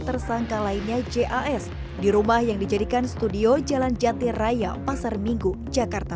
tersangka lainnya jas di rumah yang dijadikan studio jalan jatir raya pasar minggu jakarta